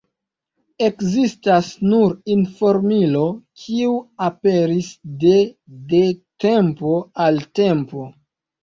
Ekzistas nur informilo, kiu aperis de de tempo al tempo.